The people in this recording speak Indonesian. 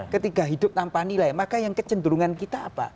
ketika hidup tanpa nilai maka yang kecenderungan kita apa